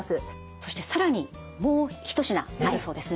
そして更にもう一品あるそうですね。